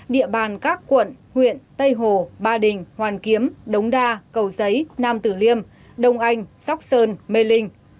địa bàn các quận huyện tây hồ ba đình hoàn kiếm đống đa cầu giấy nam tử liêm đông anh sóc sơn mê linh